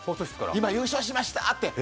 今、優勝しましたって。